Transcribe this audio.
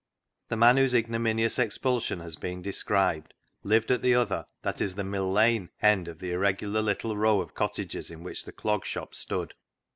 The man whose ignominious expulsion has been described lived at the other — that is, the Mill Lane — end of the irregular little row of cottages in which the Clog Shop stood.